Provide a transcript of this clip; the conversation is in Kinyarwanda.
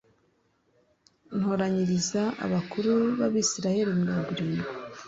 ntoranyiriza abakuru b Abisirayeli mirongo irindwi